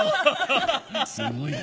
すごいな！